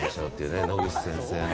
野口先生の。